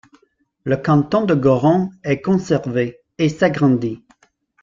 Le canton de Gorron est conservé et s'agrandit.